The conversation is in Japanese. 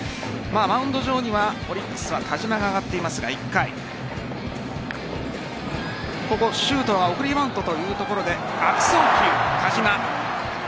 マウンド上にはオリックスは田嶋が上がっていますが１回ここ、周東が送りバントというところで悪送球、田嶋。